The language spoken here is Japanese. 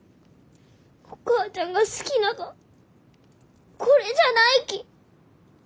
お母ちゃんが好きながはこれじゃないき。